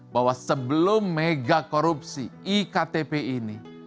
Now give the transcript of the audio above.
bahwa sebelum mega korupsi iktp ini